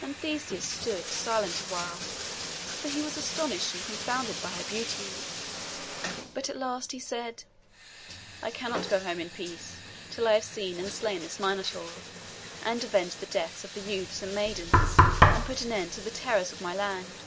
And Theseus stood silent awhile; for he was astonished and confounded by her beauty: but at last he said, 'I cannot go home in peace, till I have seen and slain this Minotaur, and avenged the deaths of the youths and maidens, and put an end to the terrors of my land.